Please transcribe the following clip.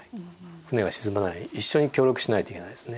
船が沈まない一緒に協力しないといけないですね。